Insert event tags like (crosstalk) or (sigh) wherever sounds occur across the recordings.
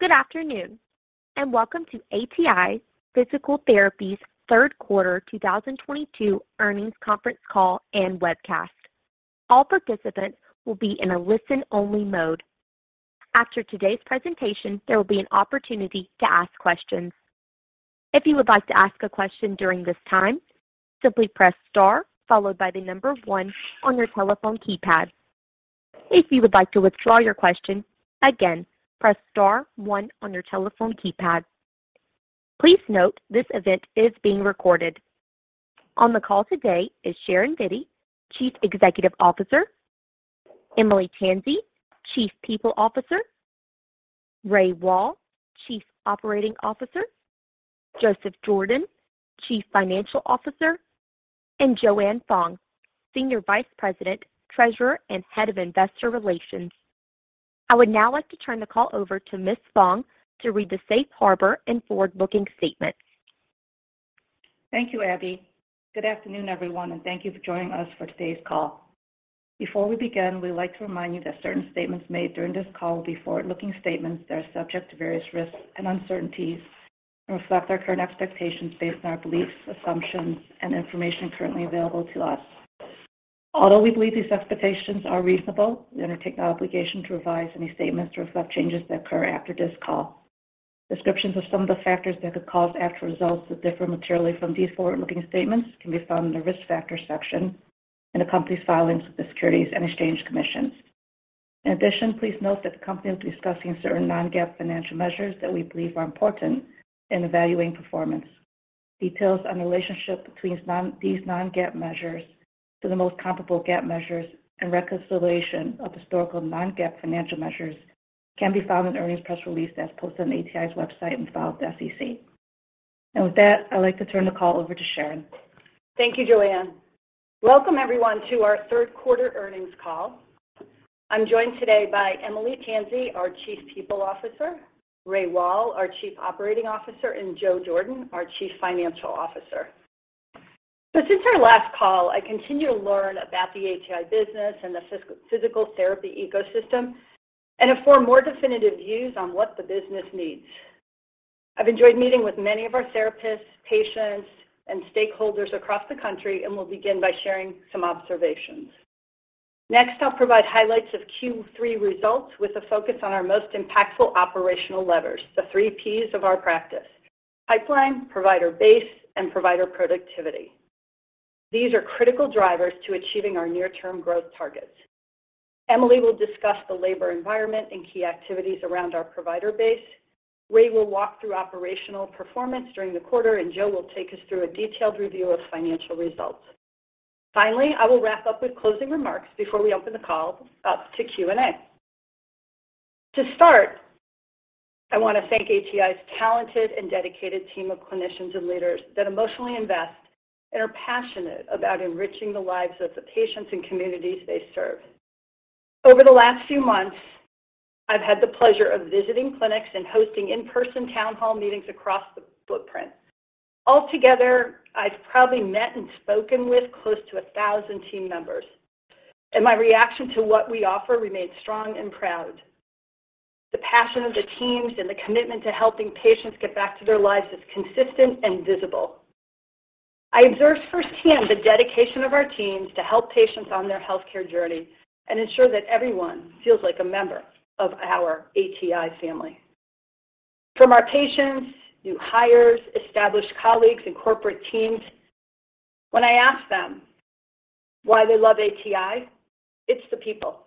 Good afternoon, and welcome to ATI Physical Therapy's third quarter 2022 earnings conference call and webcast. All participants will be in a listen-only mode. After today's presentation, there will be an opportunity to ask questions. If you would like to ask a question during this time, simply press star followed by the number 1 on your telephone keypad. If you would like to withdraw your question, again, press star 1 on your telephone keypad. Please note this event is being recorded. On the call today is Sharon Vitti, Chief Executive Officer, Eimile Tansey, Chief People Officer, Ray Wahl, Chief Operating Officer, Joseph Jordan, Chief Financial Officer, and Joanne Fong, Senior Vice President, Treasurer, and Head of Investor Relations. I would now like to turn the call over to Ms. Fong to read the safe harbor and forward-looking statement. Thank you, Operator. Good afternoon, everyone, and thank you for joining us for today's call. Before we begin, we'd like to remind you that certain statements made during this call will be forward-looking statements that are subject to various risks and uncertainties and reflect our current expectations based on our beliefs, assumptions, and information currently available to us. Although we believe these expectations are reasonable, we undertake no obligation to revise any statements to reflect changes that occur after this call. Descriptions of some of the factors that could cause actual results to differ materially from these forward-looking statements can be found in the Risk Factors section in the company's filings with the Securities and Exchange Commission. In addition, please note that the company will be discussing certain non-GAAP financial measures that we believe are important in evaluating performance. Details on the relationship between these non-GAAP measures to the most comparable GAAP measures and reconciliation of historical non-GAAP financial measures can be found in the earnings press release as posted on ATI's website and filed with the SEC. With that, I'd like to turn the call over to Sharon. Thank you, Joanne. Welcome everyone to our third quarter earnings call. I'm joined today by Eimile Tansey, our Chief People Officer, Ray Wahl, our Chief Operating Officer, and Joe Jordan, our Chief Financial Officer. Since our last call, I continue to learn about the ATI business and the physical therapy ecosystem and afford more definitive views on what the business needs. I've enjoyed meeting with many of our therapists, patients, and stakeholders across the country and will begin by sharing some observations. Next, I'll provide highlights of Q3 results with a focus on our most impactful operational levers, the three Ps of our practice, pipeline, provider base, and provider productivity. These are critical drivers to achieving our near-term growth targets. Eimile will discuss the labor environment and key activities around our provider base. Ray will walk through operational performance during the quarter, and Joe will take us through a detailed review of financial results. Finally, I will wrap up with closing remarks before we open the call up to Q&A. To start, I wanna thank ATI's talented and dedicated team of clinicians and leaders that emotionally invest and are passionate about enriching the lives of the patients and communities they serve. Over the last few months, I've had the pleasure of visiting clinics and hosting in-person town hall meetings across the footprint. Altogether, I've probably met and spoken with close to 1,000 team members, and my reaction to what we offer remains strong and proud. The passion of the teams and the commitment to helping patients get back to their lives is consistent and visible. I observed firsthand the dedication of our teams to help patients on their healthcare journey and ensure that everyone feels like a member of our ATI family. From our patients, new hires, established colleagues, and corporate teams, when I ask them why they love ATI, it's the people.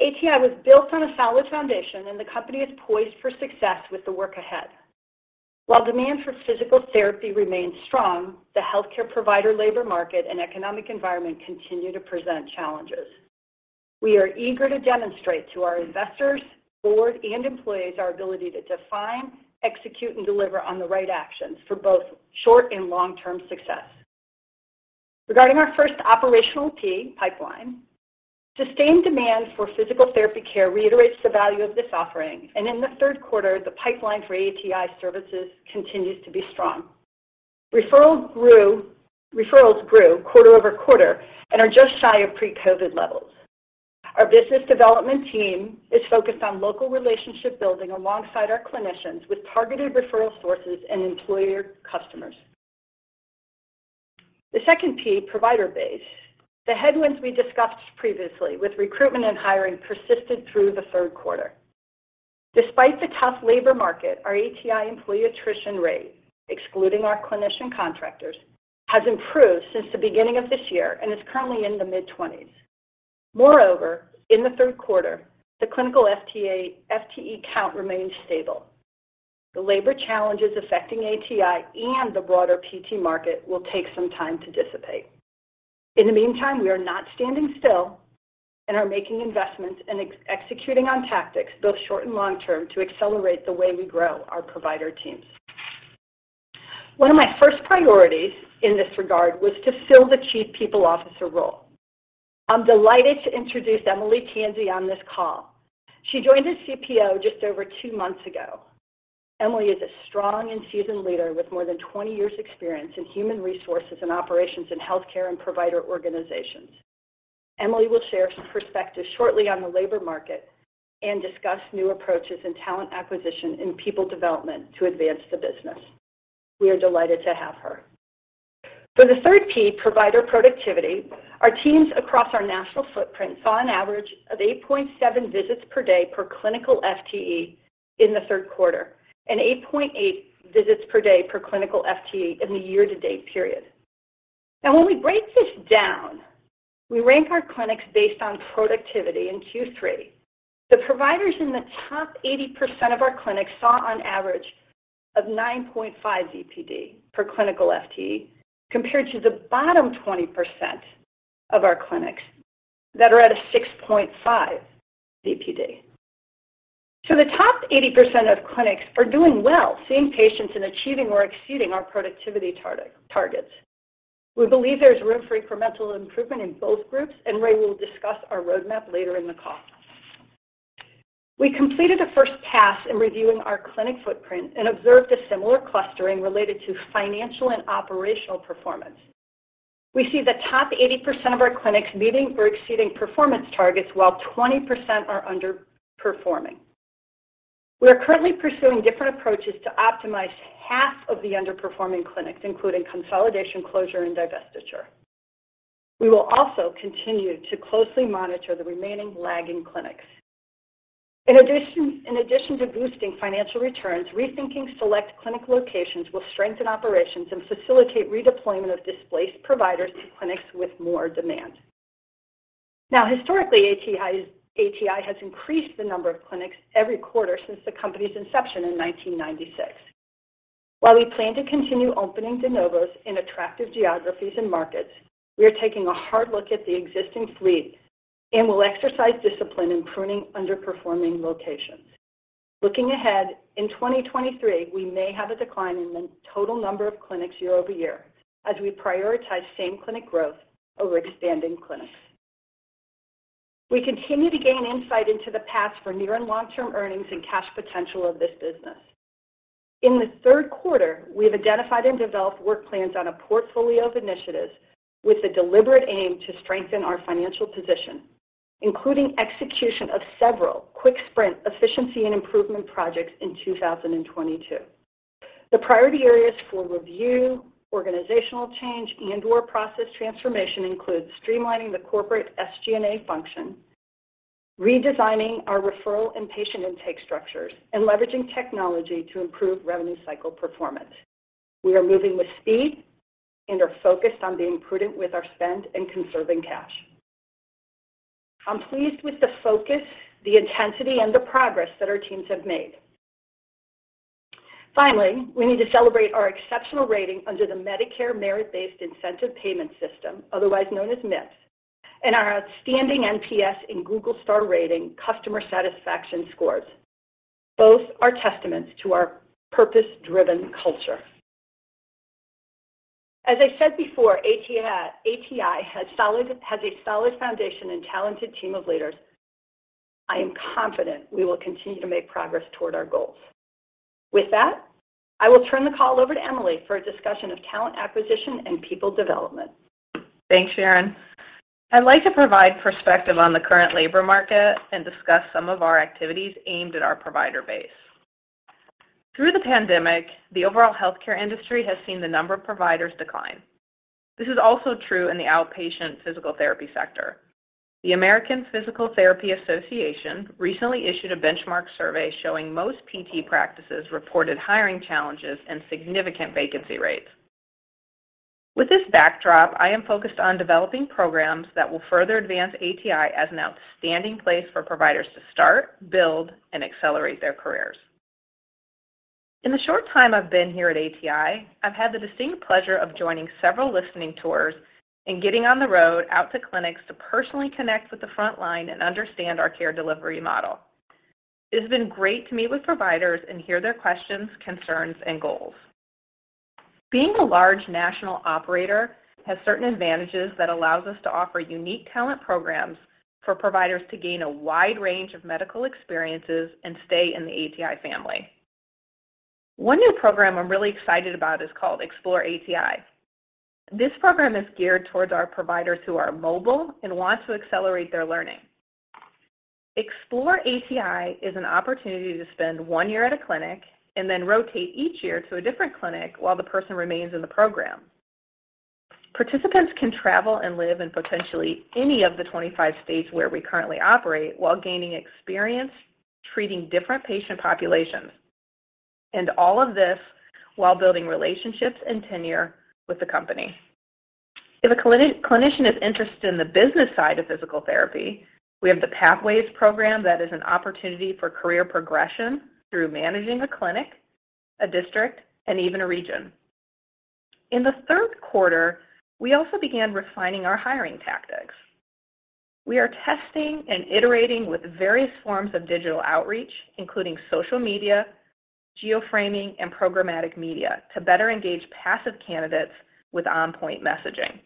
ATI was built on a solid foundation, and the company is poised for success with the work ahead. While demand for physical therapy remains strong, the healthcare provider labor market and economic environment continue to present challenges. We are eager to demonstrate to our investors, board, and employees our ability to define, execute, and deliver on the right actions for both short and long-term success. Regarding our first operational pipeline, sustained demand for physical therapy care reiterates the value of this offering, and in the third quarter, the pipeline for ATI services continues to be strong. Referral grew. Referrals grew quarter-over-quarter and are just shy of pre-COVID levels. Our business development team is focused on local relationship building alongside our clinicians with targeted referral sources and employer customers. The second P, provider base. The headwinds we discussed previously with recruitment and hiring persisted through the third quarter. Despite the tough labor market, our ATI employee attrition rate, excluding our clinician contractors, has improved since the beginning of this year and is currently in the mid-twenties. Moreover, in the third quarter, the clinical FTE count remained stable. The labor challenges affecting ATI and the broader PT market will take some time to dissipate. In the meantime, we are not standing still and are making investments and executing on tactics, both short and long term, to accelerate the way we grow our provider teams. One of my first priorities in this regard was to fill the Chief People Officer role. I'm delighted to introduce Eimile Tansey on this call. She joined as CPO just over two months ago. Eimile is a strong and seasoned leader with more than 20 years experience in human resources and operations in healthcare and provider organizations. Eimile will share some perspective shortly on the labor market and discuss new approaches in talent acquisition and people development to advance the business. We are delighted to have her. For the third P, provider productivity, our teams across our national footprint saw an average of 8.7 visits per day per clinical FTE in the third quarter, and 8.8 visits per day per clinical FTE in the year-to-date period. Now, when we break this down, we rank our clinics based on productivity in Q3. The providers in the top 80% of our clinics saw an average of 9.5 VPD per clinical FTE, compared to the bottom 20% of our clinics that are at a 6.5 VPD. The top 80% of clinics are doing well, seeing patients and achieving or exceeding our productivity targets. We believe there's room for incremental improvement in both groups, and Ray will discuss our roadmap later in the call. We completed a first pass in reviewing our clinic footprint and observed a similar clustering related to financial and operational performance. We see the top 80% of our clinics meeting or exceeding performance targets, while 20% are underperforming. We are currently pursuing different approaches to optimize half of the underperforming clinics, including consolidation, closure, and divestiture. We will also continue to closely monitor the remaining lagging clinics. In addition to boosting financial returns, rethinking select clinic locations will strengthen operations and facilitate redeployment of displaced providers to clinics with more demand. Now, historically, ATI has increased the number of clinics every quarter since the company's inception in 1996. While we plan to continue opening de novos in attractive geographies and markets, we are taking a hard look at the existing fleet and will exercise discipline in pruning underperforming locations. Looking ahead, in 2023, we may have a decline in the total number of clinics year over year as we prioritize same-clinic growth over expanding clinics. We continue to gain insight into the paths for near and long-term earnings and cash potential of this business. In the third quarter, we have identified and developed work plans on a portfolio of initiatives with the deliberate aim to strengthen our financial position, including execution of several quick sprint efficiency and improvement projects in 2022. The priority areas for review, organizational change, and/or process transformation includes streamlining the corporate SG&A function, redesigning our referral and patient intake structures, and leveraging technology to improve revenue cycle performance. We are moving with speed and are focused on being prudent with our spend and conserving cash. I'm pleased with the focus, the intensity, and the progress that our teams have made. Finally, we need to celebrate our exceptional rating under the Medicare Merit-based Incentive Payment System, otherwise known as MIPS, and our outstanding NPS and Google Star rating customer satisfaction scores. Both are testaments to our purpose-driven culture. As I said before, ATI has a solid foundation and talented team of leaders. I am confident we will continue to make progress toward our goals. With that, I will turn the call over to Eimile for a discussion of talent acquisition and people development. Thanks, Sharon. I'd like to provide perspective on the current labor market and discuss some of our activities aimed at our provider base. Through the pandemic, the overall healthcare industry has seen the number of providers decline. This is also true in the outpatient physical therapy sector. The American Physical Therapy Association recently issued a benchmark survey showing most PT practices reported hiring challenges and significant vacancy rates. With this backdrop, I am focused on developing programs that will further advance ATI as an outstanding place for providers to start, build, and accelerate their careers. In the short time I've been here at ATI, I've had the distinct pleasure of joining several listening tours and getting on the road out to clinics to personally connect with the front line and understand our care delivery model. It has been great to meet with providers and hear their questions, concerns, and goals. Being a large national operator has certain advantages that allow us to offer unique talent programs for providers to gain a wide range of medical experiences and stay in the ATI family. One new program I'm really excited about is called Explore ATI. This program is geared towards our providers who are mobile and want to accelerate their learning. Explore ATI is an opportunity to spend one year at a clinic and then rotate each year to a different clinic while the person remains in the program. Participants can travel and live in potentially any of the 25 states where we currently operate while gaining experience treating different patient populations, and all of this while building relationships and tenure with the company. If a clinician is interested in the business side of physical therapy, we have the Pathways program that is an opportunity for career progression through managing a clinic, a district, and even a region. In the third quarter, we also began refining our hiring tactics. We are testing and iterating with various forms of digital outreach, including social media, geofencing, and programmatic media, to better engage passive candidates with on-point messaging.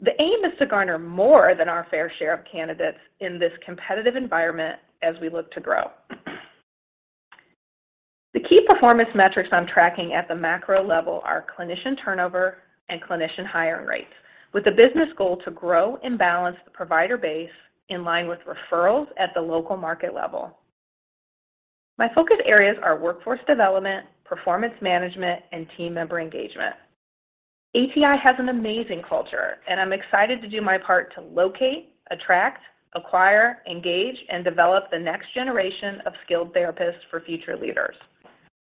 The aim is to garner more than our fair share of candidates in this competitive environment as we look to grow. The key performance metrics I'm tracking at the macro level are clinician turnover and clinician hire rates, with the business goal to grow and balance the provider base in line with referrals at the local market level. My focus areas are workforce development, performance management, and team member engagement. ATI has an amazing culture, and I'm excited to do my part to locate, attract, acquire, engage, and develop the next generation of skilled therapists for future leaders.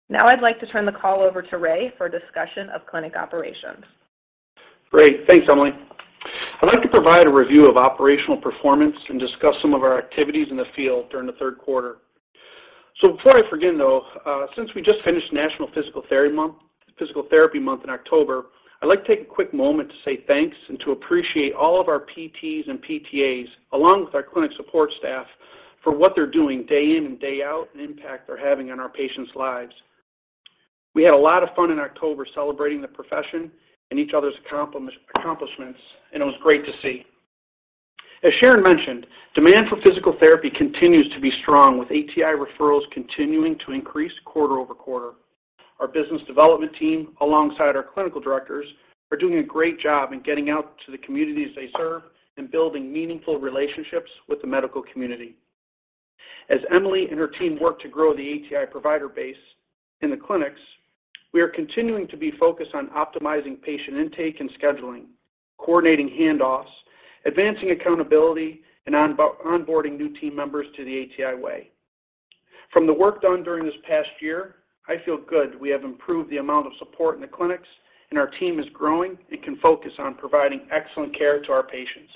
Now I'd like to turn the call over to Ray for a discussion of clinic operations. Great. Thanks, Emily. I'd like to provide a review of operational performance and discuss some of our activities in the field during the third quarter. Before I forget, though, since we just finished National Physical Therapy Month, Physical Therapy Month in October, I'd like to take a quick moment to say thanks and to appreciate all of our PTs and PTAs, along with our clinic support staff for what they're doing day in and day out and impact they're having on our patients' lives. We had a lot of fun in October celebrating the profession and each other's accomplishments, and it was great to see. As Sharon mentioned, demand for physical therapy continues to be strong with ATI referrals continuing to increase quarter-over-quarter. Our business development team, alongside our clinical directors, are doing a great job in getting out to the communities they serve and building meaningful relationships with the medical community. As Eimile and her team work to grow the ATI provider base in the clinics, we are continuing to be focused on optimizing patient intake and scheduling, coordinating handoffs, advancing accountability, and onboarding new team members to the ATI way. From the work done during this past year, I feel good we have improved the amount of support in the clinics, and our team is growing and can focus on providing excellent care to our patients.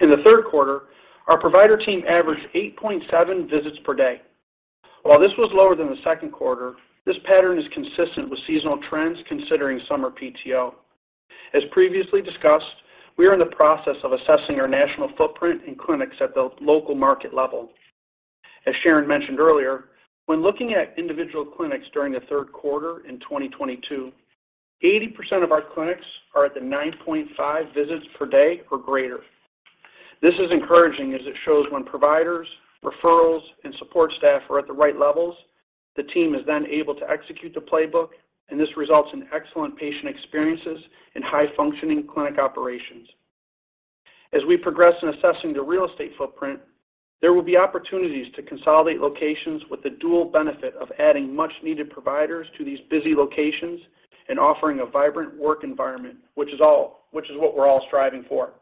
In the third quarter, our provider team averaged 8.7 visits per day. While this was lower than the second quarter, this pattern is consistent with seasonal trends considering summer PTO. As previously discussed, we are in the process of assessing our national footprint in clinics at the local market level. As Sharon mentioned earlier, when looking at individual clinics during the third quarter in 2022, 80% of our clinics are at the 9.5 visits per day or greater. This is encouraging as it shows when providers, referrals, and support staff are at the right levels, the team is then able to execute the playbook, and this results in excellent patient experiences and high-functioning clinic operations. As we progress in assessing the real estate footprint, there will be opportunities to consolidate locations with the dual benefit of adding much-needed providers to these busy locations and offering a vibrant work environment, which is what we're all striving for.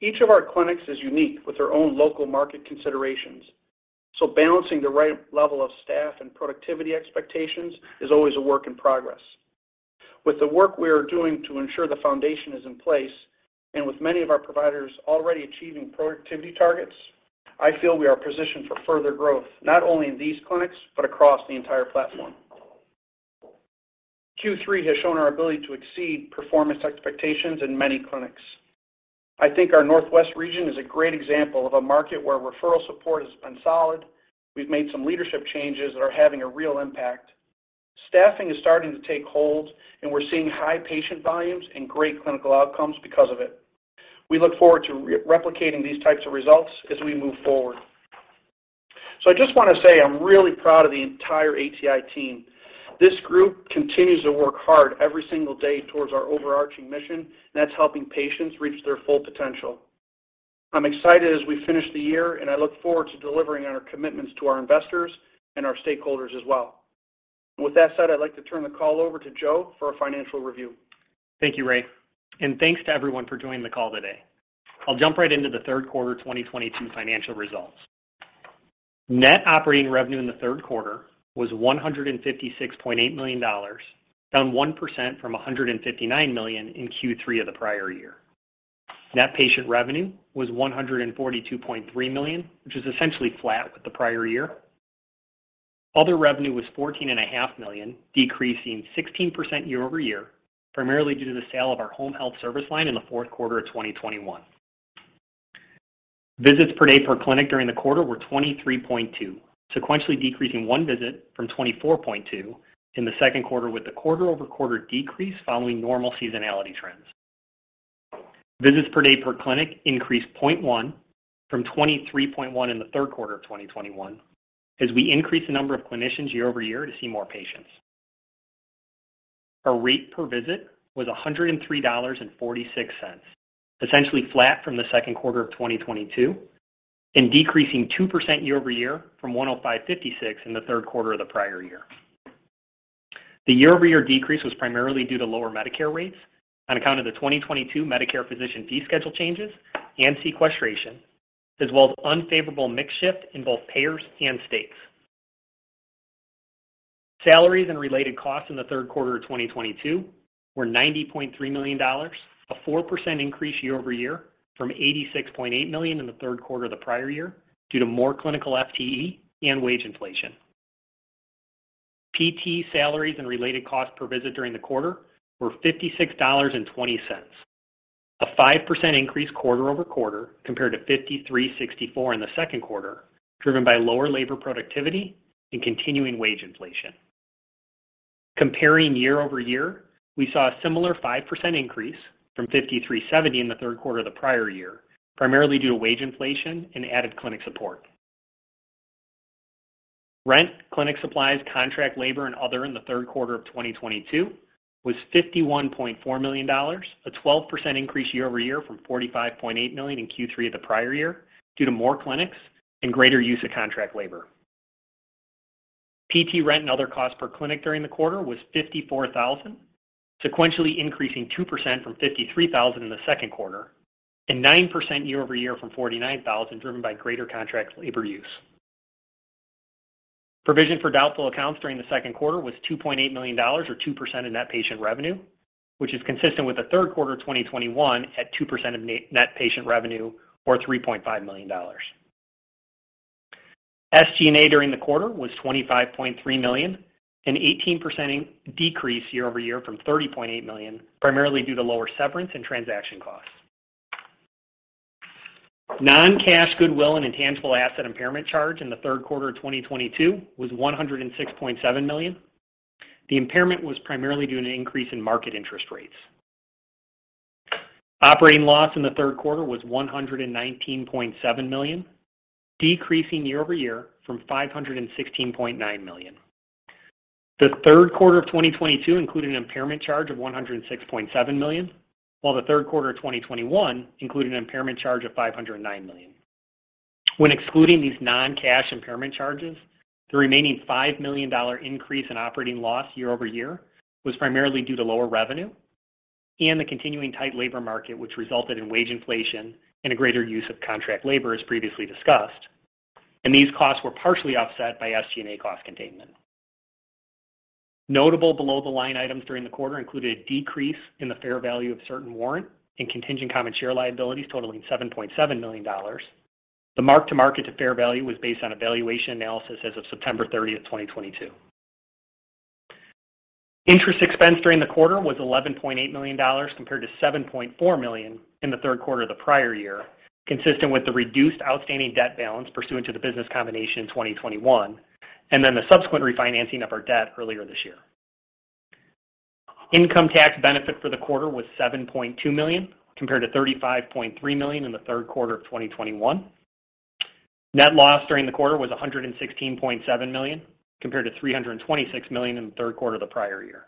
Each of our clinics is unique with their own local market considerations, so balancing the right level of staff and productivity expectations is always a work in progress. With the work we are doing to ensure the foundation is in place, and with many of our providers already achieving productivity targets, I feel we are positioned for further growth, not only in these clinics, but across the entire platform. Q3 has shown our ability to exceed performance expectations in many clinics. I think our Northwest region is a great example of a market where referral support has been solid. We've made some leadership changes that are having a real impact. Staffing is starting to take hold, and we're seeing high patient volumes and great clinical outcomes because of it. We look forward to replicating these types of results as we move forward. I just wanna say I'm really proud of the entire ATI team. This group continues to work hard every single day towards our overarching mission, and that's helping patients reach their full potential. I'm excited as we finish the year, and I look forward to delivering on our commitments to our investors and our stakeholders as well. With that said, I'd like to turn the call over to Joe for a financial review. Thank you, Ray. Thanks to everyone for joining the call today. I'll jump right into the third quarter 2022 financial results. Net operating revenue in the third quarter was $156.8 million, down 1% from $159 million in Q3 of the prior year. Net patient revenue was $142.3 million, which is essentially flat with the prior year. Other revenue was $14.5 million, decreasing 16% year-over-year, primarily due to the sale of our home health service line in the fourth quarter of 2021. Visits per day per clinic during the quarter were 23.2, sequentially decreasing 1 visit from 24.2 in the second quarter, with the quarter-over-quarter decrease following normal seasonality trends. Visits per day per clinic increased 0.1 from 23.1 in the third quarter of 2021 as we increased the number of clinicians year-over-year to see more patients. Our rate per visit was $103.46, essentially flat from the second quarter of 2022 and decreasing 2% year-over-year from $105.56 in the third quarter of the prior year. The year-over-year decrease was primarily due to lower Medicare rates on account of the 2022 Medicare Physician Fee Schedule changes and sequestration, as well as unfavorable mix shift in both payers and states. Salaries and related costs in the third quarter of 2022 were $90.3 million, a 4% increase year-over-year from $86.8 million in the third quarter of the prior year due to more clinical FTE and wage inflation. PT salaries and related costs per visit during the quarter were $56.20, a 5% increase quarter-over-quarter compared to $53.64 in the second quarter, driven by lower labor productivity and continuing wage inflation. Comparing year-over-year, we saw a similar 5% increase from $53.70 in the third quarter of the prior year, primarily due to wage inflation and added clinic support. Rent, clinic supplies, contract labor and other in the third quarter of 2022 was $51.4 million, a 12% increase year-over-year from $45.8 million in Q3 of the prior year due to more clinics and greater use of contract labor. PT rent and other costs per clinic during the quarter was $54,000, sequentially increasing 2% from $53,000 in the second quarter and 9% year-over-year from $49,000, driven by greater contract labor use. Provision for doubtful accounts during the second quarter was $2.8 million or 2% of net patient revenue, which is consistent with the third quarter 2021 at 2% of net patient revenue or $3.5 million. SG&A during the quarter was $25.3 million, an 18% decrease year-over-year from $30.8 million, primarily due to lower severance and transaction costs. Non-cash goodwill and intangible asset impairment charge in the third quarter of 2022 was $106.7 million. The impairment was primarily due to an increase in market interest rates. Operating loss in the third quarter was $119.7 million, decreasing year-over-year from $516.9 million. The third quarter of 2022 included an impairment charge of $106.7 million, while the third quarter of 2021 included an impairment charge of $509 million. When excluding these non-cash impairment charges, the remaining $5 million increase in operating loss year-over-year was primarily due to lower revenue and the continuing tight labor market, which resulted in wage inflation and a greater use of contract labor, as previously discussed. These costs were partially offset by SG&A cost containment. Notable below-the-line items during the quarter included a decrease in the fair value of certain warrant and contingent common share liabilities totaling $7.7 million. The mark-to-market to fair value was based on a valuation analysis as of September 30, 2022. Interest expense during the quarter was $11.8 million compared to $7.4 million in the third quarter of the prior year, consistent with the reduced outstanding debt balance pursuant to the business combination in 2021, and then the subsequent refinancing of our debt earlier this year. Income tax benefit for the quarter was $7.2 million, compared to $35.3 million in the third quarter of 2021. Net loss during the quarter was $116.7 million, compared to $326 million in the third quarter of the prior year.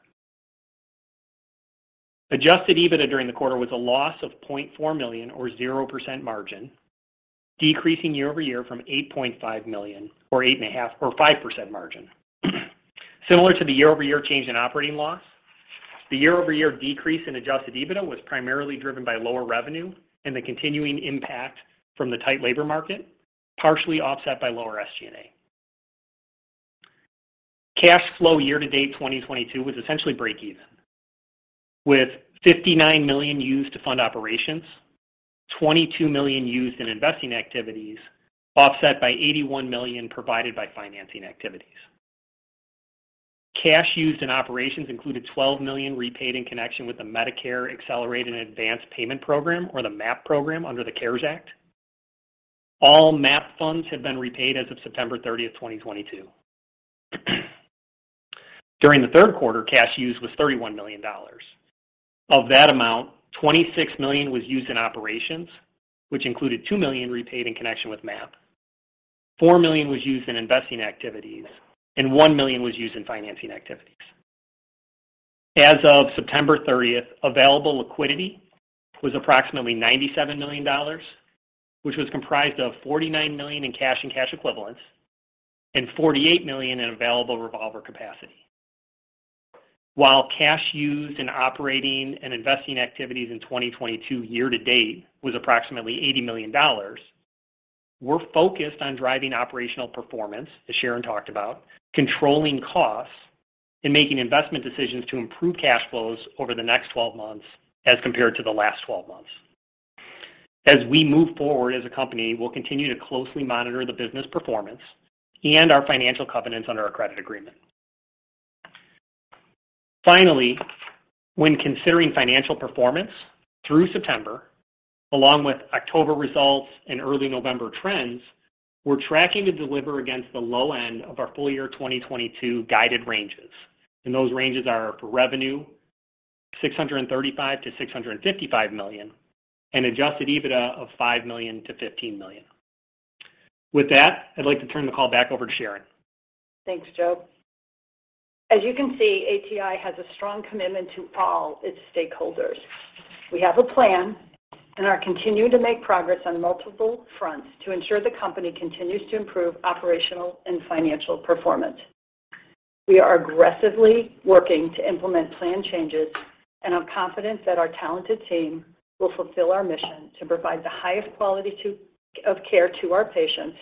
Adjusted EBITDA during the quarter was a loss of $0.4 million or 0% margin, decreasing year-over-year from $8.5 million or 8.5% margin. Similar to the year-over-year change in operating loss, the year-over-year decrease in Adjusted EBITDA was primarily driven by lower revenue and the continuing impact from the tight labor market, partially offset by lower SG&A. Cash flow year to date 2022 was essentially break even, with $59 million used to fund operations, $22 million used in investing activities, offset by $81 million provided by financing activities. Cash used in operations included $12 million repaid in connection with the Medicare Accelerated and Advance Payments Program or the MAP program under the CARES Act. All MAP funds have been repaid as of September 30, 2022. During the third quarter, cash used was $31 million. Of that amount, $26 million was used in operations, which included $2 million repaid in connection with MAP. $4 million was used in investing activities, and $1 million was used in financing activities. As of September 30, available liquidity was approximately $97 million, which was comprised of $49 million in cash and cash equivalents and $48 million in available revolver capacity. While cash used in operating and investing activities in 2022 year to date was approximately $80 million, we're focused on driving operational performance, as Sharon talked about, controlling costs and making investment decisions to improve cash flows over the next 12 months as compared to the last 12 months. As we move forward as a company, we'll continue to closely monitor the business performance and our financial covenants under our credit agreement. Finally, when considering financial performance through September, along with October results and early November trends, we're tracking to deliver against the low end of our full year 2022 guided ranges, and those ranges are for revenue $635 million-$655 million and adjusted EBITDA of $5 million-$15 million. With that, I'd like to turn the call back over to Sharon. Thanks, Joe. As you can see, ATI has a strong commitment to all its stakeholders. We have a plan and are continuing to make progress on multiple fronts to ensure the company continues to improve operational and financial performance. We are aggressively working to implement planned changes and are confident that our talented team will fulfill our mission to provide the highest quality of care to our patients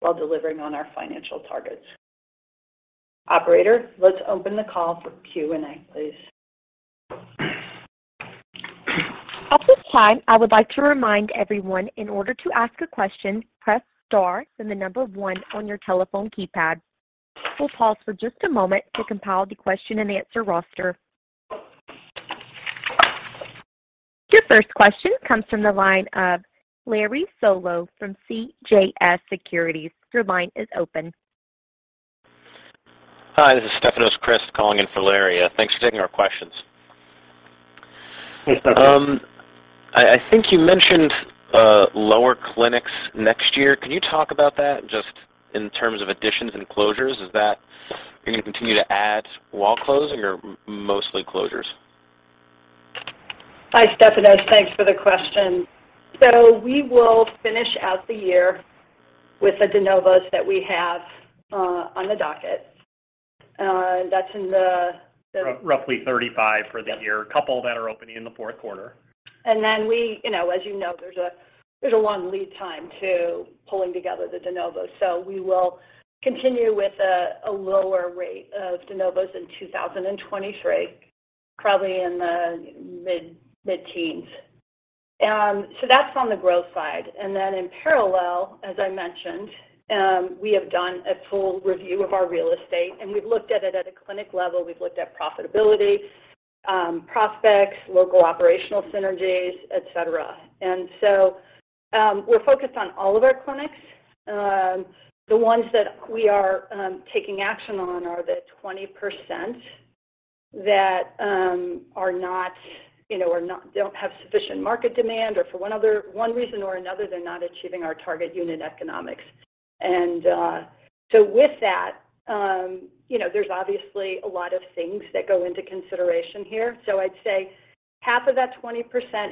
while delivering on our financial targets. Operator, let's open the call for Q&A, please. At this time, I would like to remind everyone in order to ask a question, press star, then the number one on your telephone keypad. We'll pause for just a moment to compile the question and answer roster. Your first question comes from the line of Larry Solow from CJS Securities. Your line is open. Hi, this is Stefanos Crist calling in for Larry Solow. Thanks for taking our questions. Hey, Stefanos. I think you mentioned lower clinics next year. Can you talk about that just in terms of additions and closures? Is that you're gonna continue to add while closing or mostly closures? Hi, Stefanos. Thanks for the question. We will finish out the year with the de novos that we have on the docket. Roughly 35 for the year. Yep. A couple that are opening in the fourth quarter. We, you know, as you know, there's a long lead time to pulling together the de novos. We will continue with a lower rate of de novos in 2023, probably in the mid-teens. That's on the growth side. In parallel, as I mentioned, we have done a full review of our real estate, and we've looked at it at a clinic level. We've looked at profitability, prospects, local operational synergies, et cetera. We're focused on all of our clinics. The ones that we are taking action on are the 20% that, you know, don't have sufficient market demand or for one reason or another, they're not achieving our target unit economics. With that, you know, there's obviously a lot of things that go into consideration here. I'd say half of that 20%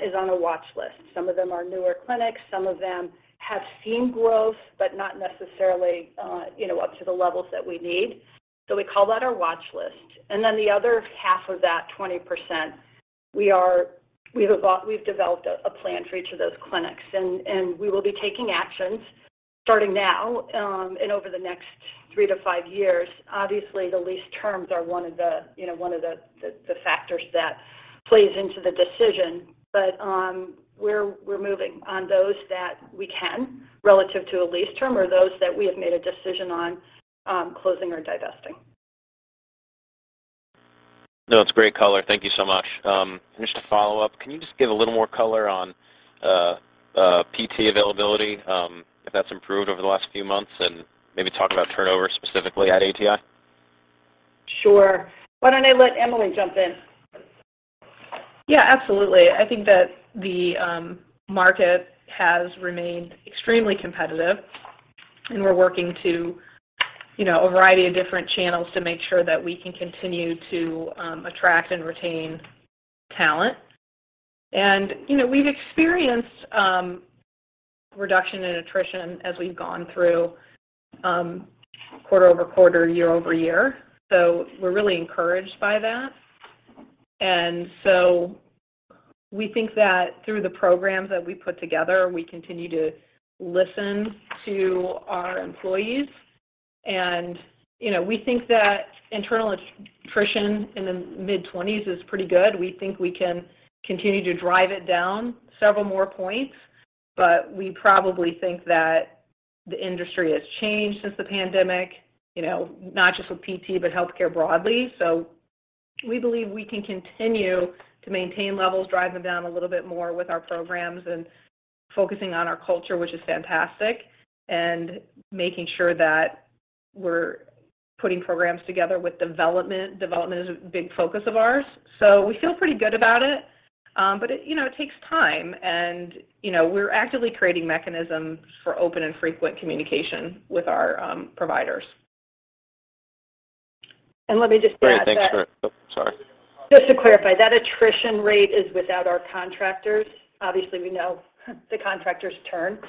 is on a watch list. Some of them are newer clinics, some of them have seen growth, but not necessarily, you know, up to the levels that we need. We call that our watch list. Then the other half of that 20%, we've developed a plan for each of those clinics, and we will be taking actions starting now, and over the next 3-5 years. Obviously, the lease terms are one of the, you know, factors that plays into the decision. We're moving on those that we can relative to a lease term or those that we have made a decision on, closing or divesting. No, it's great color. Thank you so much. Just a follow-up. Can you just give a little more color on PT availability, if that's improved over the last few months? Maybe talk about turnover specifically at ATI. Sure. Why don't I let Eimile jump in? Yeah, absolutely. I think that the market has remained extremely competitive, and we're working to, you know, a variety of different channels to make sure that we can continue to attract and retain talent. You know, we've experienced reduction in attrition as we've gone through quarter-over-quarter, year-over-year, so we're really encouraged by that. We think that through the programs that we put together, we continue to listen to our employees. You know, we think that internal attrition in the mid-20s is pretty good. We think we can continue to drive it down several more points, but we probably think that the industry has changed since the pandemic, you know, not just with PT, but healthcare broadly. We believe we can continue to maintain levels, drive them down a little bit more with our programs and focusing on our culture, which is fantastic, and making sure that we're putting programs together with development. Development is a big focus of ours, so we feel pretty good about it. It takes time, you know, and we're actively creating mechanisms for open and frequent communication with our providers. Let me just add that. Great. Oh, sorry. Just to clarify, that attrition rate is without our contractors. Obviously, we know the contractors turnover.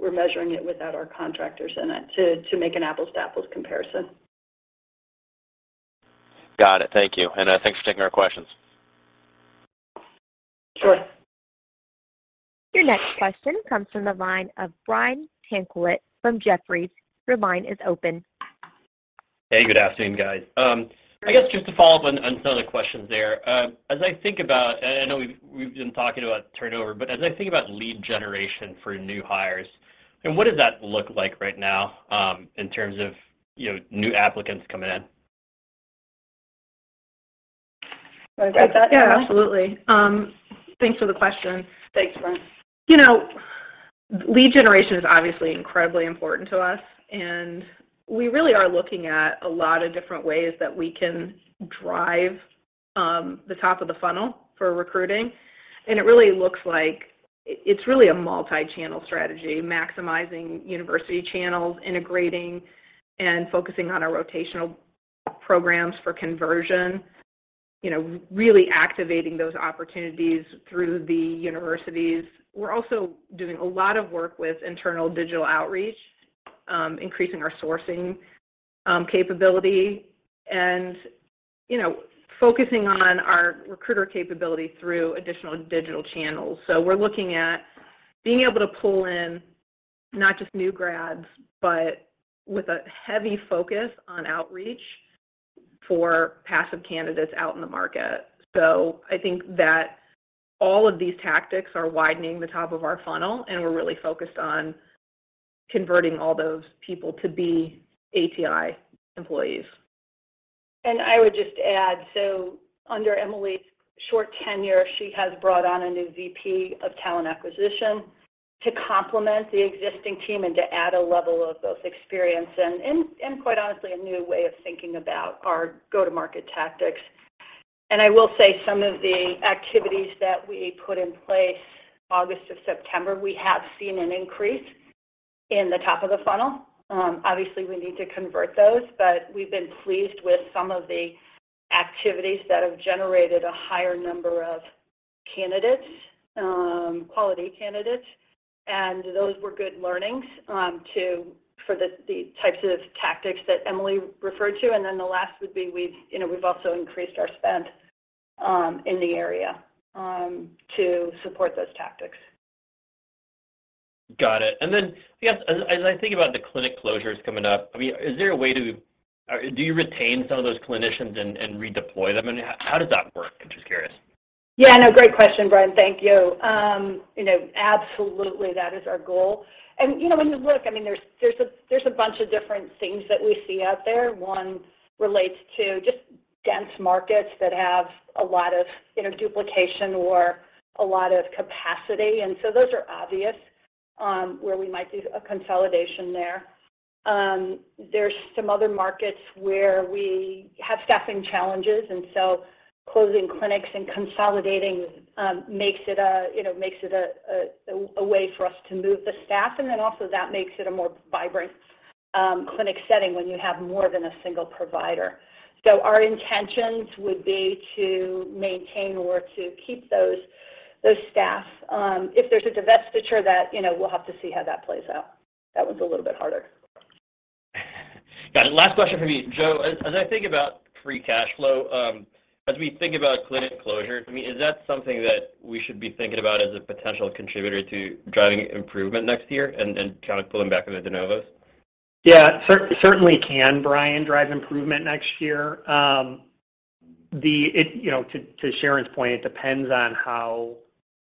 We're measuring it without our contractors in it to make an apples to apples comparison. Got it. Thank you. Thanks for taking our questions. Sure. Your next question comes from the line of Brian Tanquilut from Jefferies. Your line is open. Hey, good afternoon, guys. I guess just to follow up on some of the questions there. As I think about, I know we've been talking about turnover, but as I think about lead generation for new hires and what does that look like right now, in terms of, you know, new applicants coming in? Wanna take that, Eimile? (crosstalk) Yeah, absolutely. Thanks for the question. Thanks, Brian. You know, lead generation is obviously incredibly important to us, and we really are looking at a lot of different ways that we can drive the top of the funnel for recruiting. It really looks like it's a multi-channel strategy, maximizing university channels, integrating and focusing on our rotational programs for conversion. You know, really activating those opportunities through the universities. We're also doing a lot of work with internal digital outreach, increasing our sourcing capability and, you know, focusing on our recruiter capability through additional digital channels. We're looking at being able to pull in not just new grads, but with a heavy focus on outreach. For passive candidates out in the market. I think that all of these tactics are widening the top of our funnel, and we're really focused on converting all those people to be ATI employees. I would just add, so under Eimile's short tenure, she has brought on a new VP of talent acquisition to complement the existing team and to add a level of both experience and quite honestly, a new way of thinking about our go-to-market tactics. I will say some of the activities that we put in place August to September, we have seen an increase in the top of the funnel. Obviously, we need to convert those, but we've been pleased with some of the activities that have generated a higher number of candidates, quality candidates. Those were good learnings for the types of tactics that Eimile referred to. Then the last would be, you know, we've also increased our spend in the area to support those tactics. Got it. I guess as I think about the clinic closures coming up, I mean, do you retain some of those clinicians and redeploy them? How does that work? I'm just curious. Yeah. No, great question, Brian. Thank you. You know, absolutely, that is our goal. You know, when you look, I mean, there's a bunch of different things that we see out there. One relates to just dense markets that have a lot of, you know, duplication or a lot of capacity. So those are obvious, where we might do a consolidation there. There's some other markets where we have staffing challenges, and so closing clinics and consolidating makes it a way for us to move the staff. Then also that makes it a more vibrant clinic setting when you have more than a single provider. So our intentions would be to maintain or to keep those staff. If there's a divestiture that, you know, we'll have to see how that plays out. That one's a little bit harder. Got it. Last question for me. Joe, as I think about free cash flow, as we think about clinic closures, I mean, is that something that we should be thinking about as a potential contributor to driving improvement next year and kind of pulling back into de novos? Yeah. Certainly can, Brian, drive improvement next year. You know, to Sharon's point, it depends on how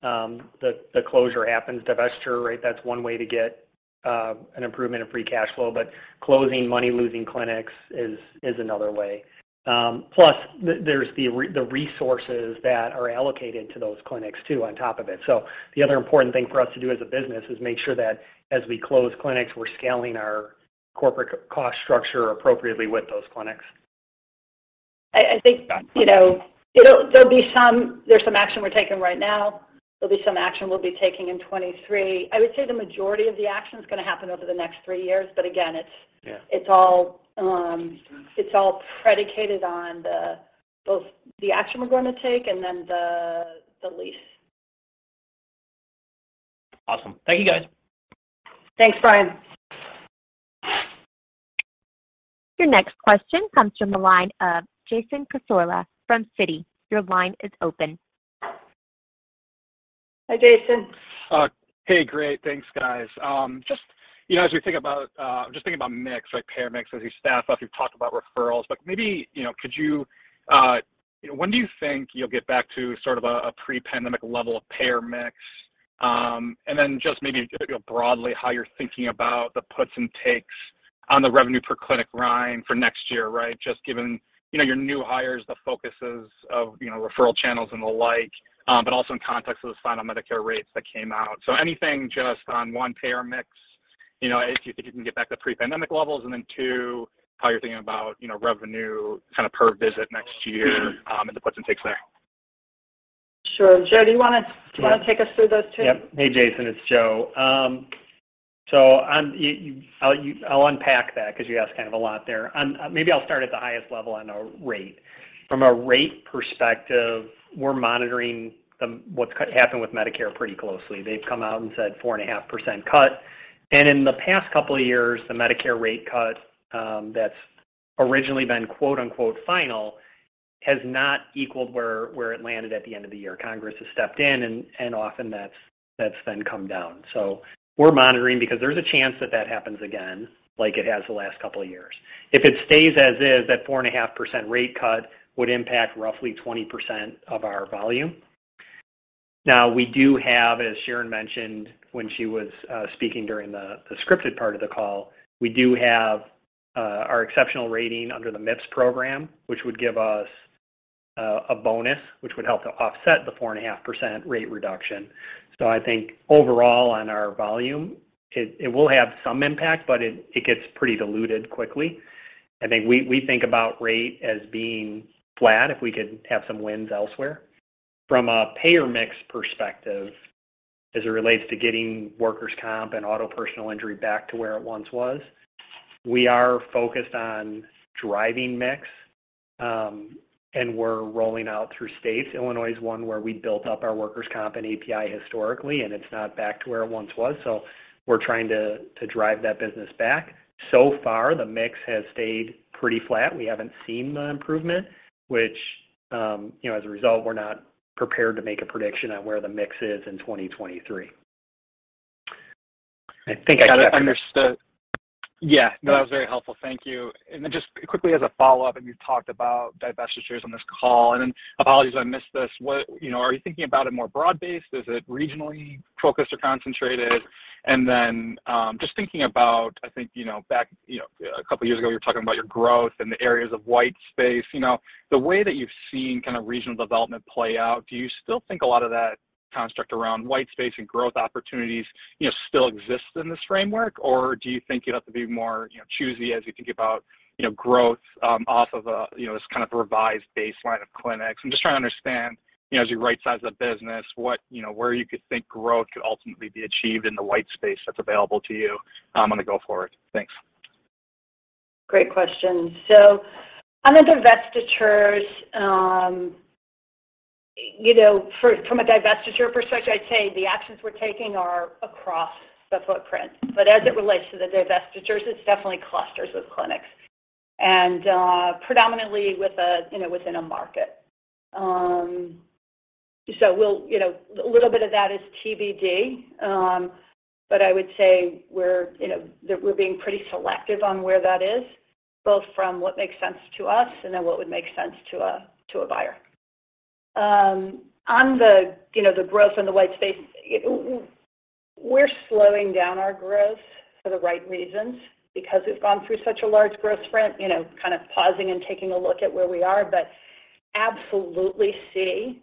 the closure happens. Divestiture, right? That's one way to get an improvement in free cash flow. But closing money-losing clinics is another way. Plus there's the resources that are allocated to those clinics too on top of it. The other important thing for us to do as a business is make sure that as we close clinics, we're scaling our corporate cost structure appropriately with those clinics. I think, you know, there's some action we're taking right now. There'll be some action we'll be taking in 2023. I would say the majority of the action is gonna happen over the next three years. Yeah It's all predicated on both the action we're gonna take and then the lease. Awesome. Thank you, guys. Thanks, Brian. Your next question comes from the line of Jason Cassorla from Citi. Your line is open. Hi, Jason. Hey. Great. Thanks, guys. Just, you know, as we think about just thinking about mix, like payer mix. As you staff up, you've talked about referrals, but maybe, you know, could you when do you think you'll get back to sort of a pre-pandemic level of payer mix? And then just maybe, you know, broadly how you're thinking about the puts and takes on the revenue per clinic line for next year, right? Just given, you know, your new hires, the focuses of, you know, referral channels and the like, but also in context of those final Medicare rates that came out. Anything just on, one, payer mix, you know, if you think you can get back to pre-pandemic levels. Two, how you're thinking about, you know, revenue kind of per visit next year, and the puts and takes there. Sure. Joe, do you wanna- Yeah. Do you wanna take us through those two? Yeah. Hey, Jason. It's Joe. I'll unpack that because you asked kind of a lot there. Maybe I'll start at the highest level on rate. From a rate perspective, we're monitoring what's happened with Medicare pretty closely. They've come out and said 4.5% cut. In the past couple of years, the Medicare rate cut that's originally been quote-unquote final has not equaled where it landed at the end of the year. Congress has stepped in and often that's then come down. We're monitoring because there's a chance that happens again like it has the last couple of years. If it stays as is, that 4.5% rate cut would impact roughly 20% of our volume. Now, we do have, as Sharon mentioned when she was speaking during the scripted part of the call, we do have our exceptional rating under the MIPS program, which would give us a bonus, which would help to offset the 4.5% rate reduction. I think overall on our volume, it will have some impact, but it gets pretty diluted quickly. I think we think about rate as being flat if we could have some wins elsewhere. From a payer mix perspective, as it relates to getting workers' comp and auto personal injury back to where it once was, we are focused on driving mix, and we're rolling out through states. Illinois is one where we built up our workers' comp and API historically, and it's not back to where it once was, so we're trying to drive that business back. So far, the mix has stayed pretty flat. We haven't seen the improvement, which, you know, as a result, we're not prepared to make a prediction on where the mix is in 2023. I think I understood. Yeah, no, that was very helpful. Thank you. Then just quickly as a follow-up, you talked about divestitures on this call, then apologies, I missed this. What? You know, are you thinking about it more broad-based? Is it regionally focused or concentrated? Then just thinking about, I think, you know, back, you know, a couple of years ago, you were talking about your growth and the areas of white space. You know, the way that you've seen regional development play out, do you still think a lot of that construct around white space and growth opportunities, you know, still exists in this framework? Or do you think you'd have to be more, you know, choosy as you think about, you know, growth, off of a, you know, this kind of revised baseline of clinics? I'm just trying to understand, you know, as you rightsize the business, what, you know, where you could think growth could ultimately be achieved in the white space that's available to you, on the go forward. Thanks. Great question. On the divestitures, you know, from a divestiture perspective, I'd say the actions we're taking are across the footprint. As it relates to the divestitures, it's definitely clusters of clinics. Predominantly, you know, within a market. We'll, you know, a little bit of that is TBD. I would say we're being pretty selective on where that is, both from what makes sense to us and then what would make sense to a buyer. On the, you know, the growth in the white space, we're slowing down our growth for the right reasons because we've gone through such a large growth sprint, you know, kind of pausing and taking a look at where we are, but absolutely see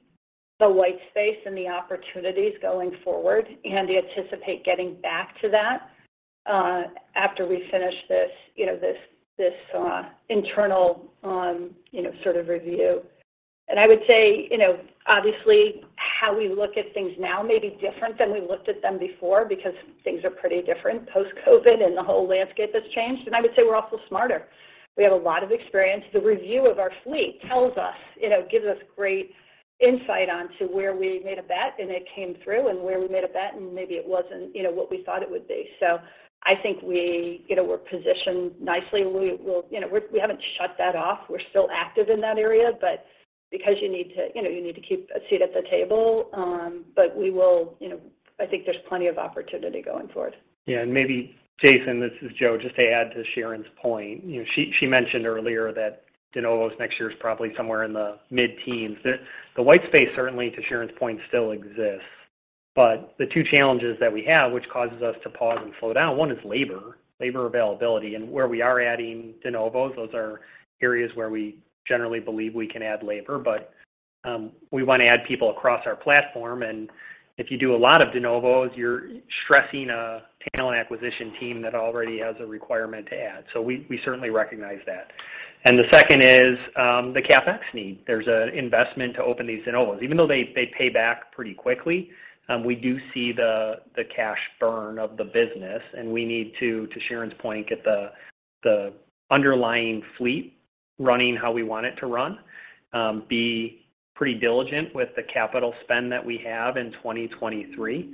the white space and the opportunities going forward and anticipate getting back to that, after we finish this, you know, internal, you know, sort of review. I would say, you know, obviously, how we look at things now may be different than we looked at them before because things are pretty different post-COVID, and the whole landscape has changed. I would say we're also smarter. We have a lot of experience. The review of our fleet tells us, you know, gives us great insight onto where we made a bet, and it came through, and where we made a bet, and maybe it wasn't, you know, what we thought it would be. I think, you know, we're positioned nicely. You know, we haven't shut that off. We're still active in that area, but because you need to, you know, keep a seat at the table, but we will, you know, I think there's plenty of opportunity going forward. Yeah. Maybe, Jason, this is Joe, just to add to Sharon's point. You know, she mentioned earlier that de novos next year is probably somewhere in the mid-teens. The white space, certainly to Sharon's point, still exists. The two challenges that we have, which causes us to pause and slow down, one is labor availability. Where we are adding de novos, those are areas where we generally believe we can add labor. We want to add people across our platform. If you do a lot of de novos, you're stressing a talent acquisition team that already has a requirement to add. We certainly recognize that. The second is the CapEx need. There's an investment to open these de novos. Even though they pay back pretty quickly, we do see the cash burn of the business, and we need to Sharon's point, get the underlying fleet running how we want it to run, be pretty diligent with the capital spend that we have in 2023.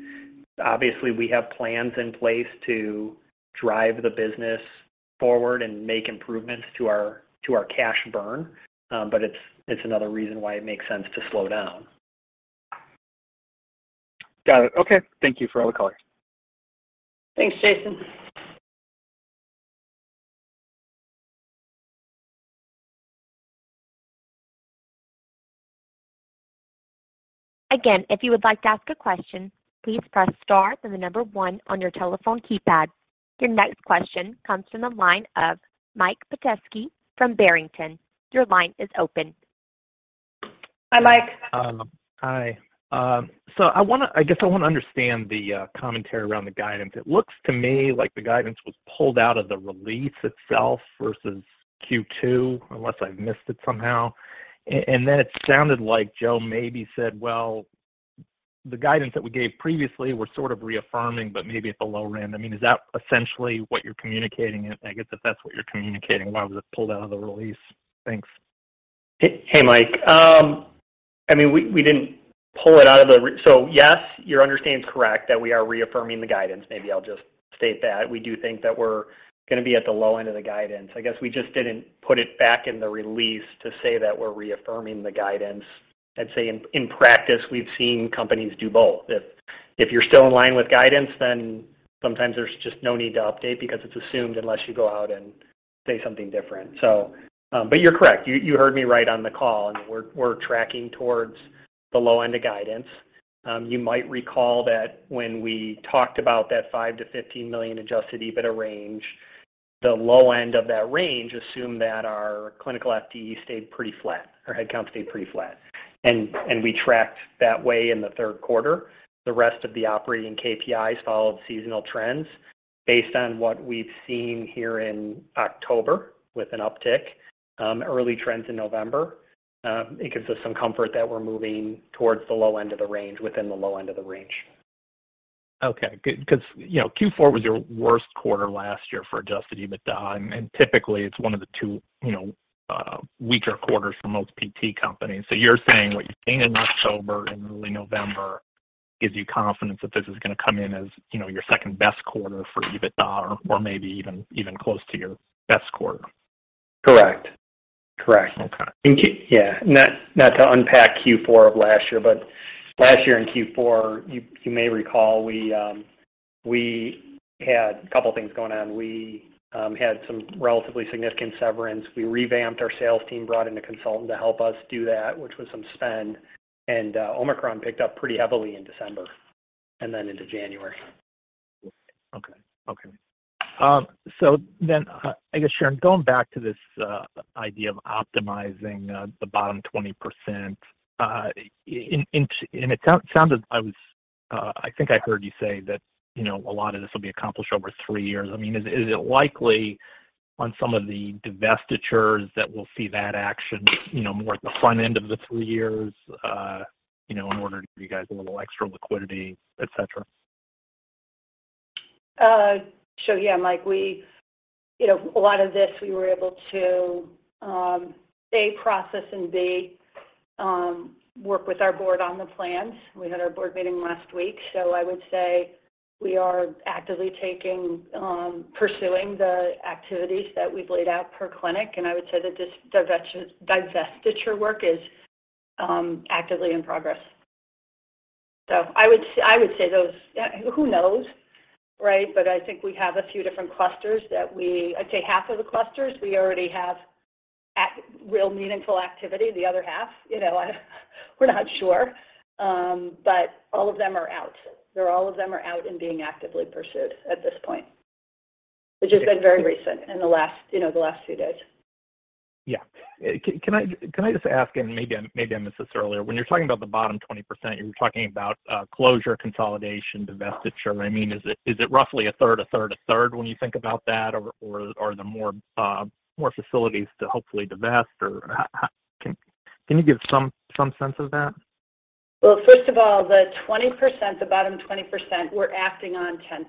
Obviously, we have plans in place to drive the business forward and make improvements to our cash burn, but it's another reason why it makes sense to slow down. Got it. Okay. Thank you for all the color. Thanks, Jason. Again, if you would like to ask a question, please press star then the number one on your telephone keypad. Your next question comes from the line of Mike Petusky from Barrington Research. Your line is open. Hi, Mike. Hi. I guess I wanna understand the commentary around the guidance. It looks to me like the guidance was pulled out of the release itself versus Q2, unless I've missed it somehow. Then it sounded like Joe maybe said, "Well, the guidance that we gave previously, we're sort of reaffirming, but maybe at the low end." I mean, is that essentially what you're communicating? I guess if that's what you're communicating, why was it pulled out of the release? Thanks. Hey, Mike. I mean, we didn't pull it out of the release. Yes, your understanding is correct that we are reaffirming the guidance. Maybe I'll just state that. We do think that we're gonna be at the low end of the guidance. I guess we just didn't put it back in the release to say that we're reaffirming the guidance. I'd say in practice, we've seen companies do both. If you're still in line with guidance, then sometimes there's just no need to update because it's assumed unless you go out and say something different. You're correct. You heard me right on the call, and we're tracking towards the low end of guidance. You might recall that when we talked about that $5 million-$15 million adjusted EBITDA range, the low end of that range assumed that our clinical FTE stayed pretty flat, or headcount stayed pretty flat. We tracked that way in the third quarter. The rest of the operating KPIs followed seasonal trends based on what we've seen here in October with an uptick, early trends in November. It gives us some comfort that we're moving towards the low end of the range, within the low end of the range. Okay. Good. 'Cause, you know, Q4 was your worst quarter last year for adjusted EBITDA, and typically it's one of the two, you know, weaker quarters for most PT companies. You're saying what you've seen in October and early November gives you confidence that this is gonna come in as, you know, your second best quarter for EBITDA or maybe even close to your best quarter? Correct.Correct. Okay. Not to unpack Q4 of last year, but last year in Q4, you may recall, we had a couple things going on. We had some relatively significant severance. We revamped our sales team, brought in a consultant to help us do that, which was some spend. Omicron picked up pretty heavily in December and then into January. Okay. I guess, Sharon, going back to this idea of optimizing the bottom 20%, and it sounded. I think I heard you say that, you know, a lot of this will be accomplished over three years. I mean, is it likely on some of the divestitures that we'll see that action, you know, more at the front end of the three years, you know, in order to give you guys a little extra liquidity, et cetera? Yeah, Mike, we, you know, a lot of this, we were able to A, process, and B, work with our board on the plans. We had our board meeting last week. I would say we are actively pursuing the activities that we've laid out per clinic, and I would say that this divestiture work is actively in progress. I would say those. Who knows, right? I think we have a few different clusters that I'd say half of the clusters we already have real meaningful activity. The other half, you know, we're not sure. All of them are out. They're all out and being actively pursued at this point, which has been very recent in the last, you know, the last few days. Yeah. Can I just ask, and maybe I missed this earlier. When you're talking about the bottom 20%, you're talking about closure, consolidation, divestiture. I mean, is it roughly a third when you think about that? Or are there more facilities to hopefully divest? Or how can you give some sense of that? Well, first of all, the 20%, the bottom 20%, we're acting on 10%.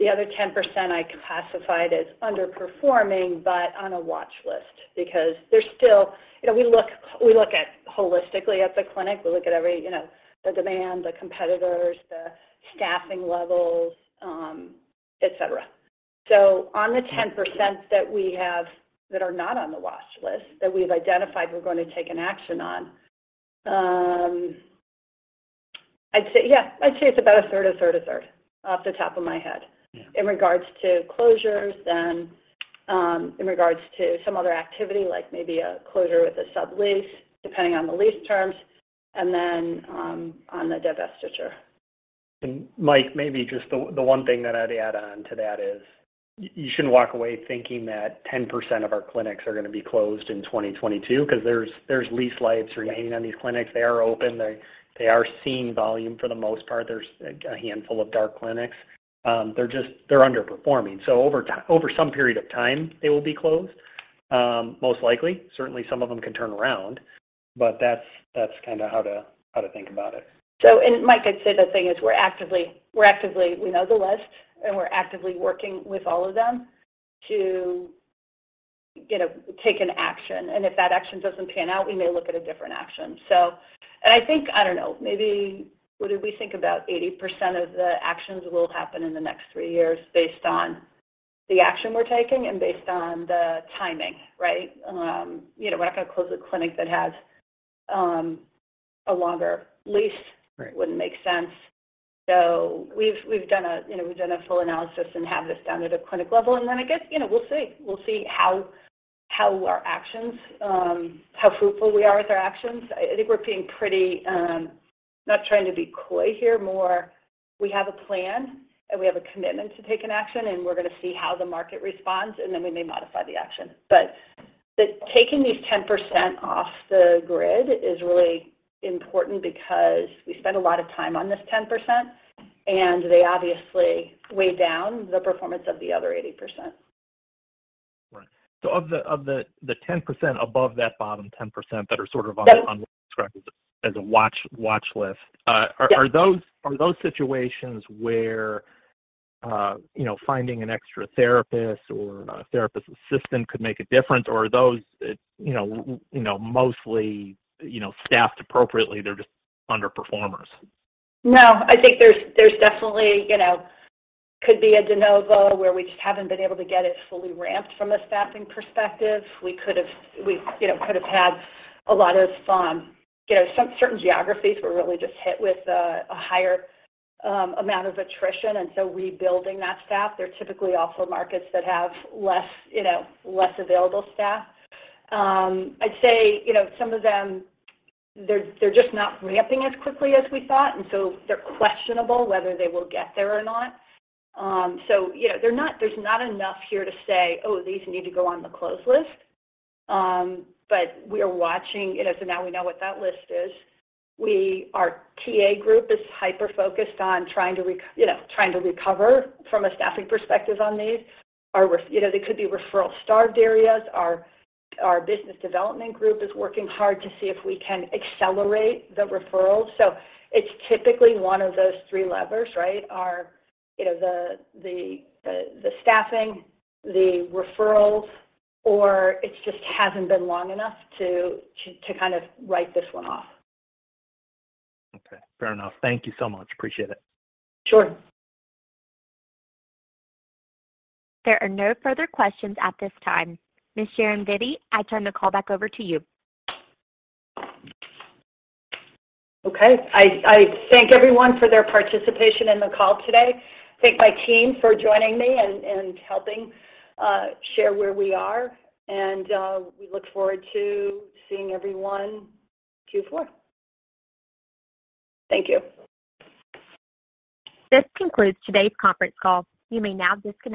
The other 10% I classified as underperforming, but on a watch list because there's still. You know, we look at holistically at the clinic. We look at every, you know, the demand, the competitors, the staffing levels, et cetera. On the 10% that we have that are not on the watch list that we've identified we're gonna take an action on, I'd say, yeah, I'd say it's about a third off the top of my head. Yeah. In regards to some other activity, like maybe a closure with a sublease, depending on the lease terms, and then on the divestiture. Mike, maybe just the one thing that I'd add on to that is you shouldn't walk away thinking that 10% of our clinics are gonna be closed in 2022, 'cause there's lease lives remaining on these clinics. They are open. They are seeing volume for the most part. There's a handful of dark clinics. They're just underperforming. Over some period of time, they will be closed, most likely. Certainly, some of them can turn around, but that's kinda how to think about it. Mike, I'd say the thing is we're actively we know the list, and we're actively working with all of them to take an action, and if that action doesn't pan out, we may look at a different action. I think, I don't know, maybe what do we think about 80% of the actions will happen in the next three years based on the action we're taking and based on the timing, right? You know, we're not gonna close a clinic that has a longer lease. Right. It wouldn't make sense. We've done a full analysis and have this down at a clinic level, and then I guess, you know, we'll see. We'll see how our actions, how fruitful we are with our actions. I think we're being pretty, not trying to be coy here, more we have a plan, and we have a commitment to take an action, and we're gonna see how the market responds, and then we may modify the action. The taking these 10% off the grid is really important because we spend a lot of time on this 10%, and they obviously weigh down the performance of the other 80%. Right. Of the 10% above that bottom 10% that are sort of on- That- On what you described as a watch list. Yeah. Are those situations where you know finding an extra therapist or a therapist assistant could make a difference? Or are those, you know, mostly, you know, staffed appropriately, they're just underperformers? No, I think there's definitely, you know, could be a de novo where we just haven't been able to get it fully ramped from a staffing perspective. We could've had a lot of, you know, some certain geographies were really just hit with a higher amount of attrition, and so rebuilding that staff. They're typically also markets that have less, you know, less available staff. I'd say, you know, some of them, they're just not ramping as quickly as we thought, and so they're questionable whether they will get there or not. You know, they're not, there's not enough here to say, "Oh, these need to go on the close list." We are watching. You know, now we know what that list is. Our TA group is hyper-focused on trying to rec... You know, trying to recover from a staffing perspective on these. You know, they could be referral-starved areas. Our business development group is working hard to see if we can accelerate the referrals. It's typically one of those three levers, right? You know, the staffing, the referrals, or it just hasn't been long enough to kind of write this one off. Okay. Fair enough. Thank you so much. Appreciate it. Sure. There are no further questions at this time. Ms. Sharon Vitti, I turn the call back over to you. Okay. I thank everyone for their participation in the call today. Thank my team for joining me and helping share where we are. We look forward to seeing everyone Q4. Thank you. This concludes today's conference call. You may now disconnect.